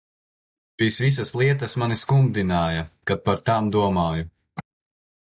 Šīs visas lietas mani skumdināja, kad par tām domāju.